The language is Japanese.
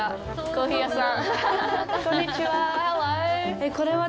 こんにちは。